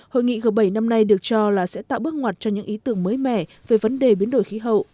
hội nghị g bảy năm nay được cho là sẽ tạo bước ngoặt cho những ý tưởng mới mẻ về vấn đề biến đổi khí hậu